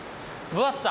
分厚さ。